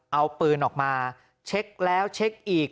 เอาปืนออกมาเช็คแล้วเช็คอีก